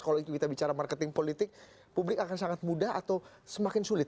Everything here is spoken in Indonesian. kalau kita bicara marketing politik publik akan sangat mudah atau semakin sulit